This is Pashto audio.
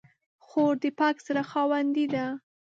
خور د پاک زړه خاوندې ده.